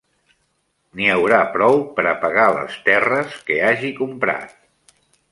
N'hi haurà prou per a pagar les terres que hagi comprat…